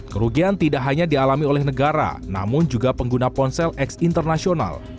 kerugian tidak hanya dialami oleh negara namun juga pengguna ponsel eks internasional